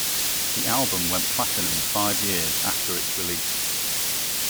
The album went platinum five years after its release.